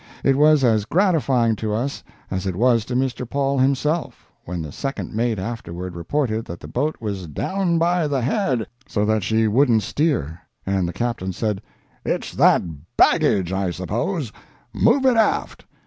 It was as gratifying to us as it was to Mr. Paul himself, when the second mate afterward reported that the boat was "down by the head" so that she wouldn't steer, and the Captain said, "It's that baggage, I suppose—move it aft."